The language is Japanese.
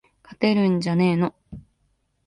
勝てるんじゃねーの